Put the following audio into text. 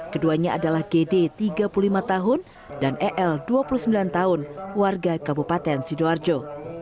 keduanya adalah gd tiga puluh lima tahun dan el dua puluh sembilan tahun warga kabupaten sidoarjo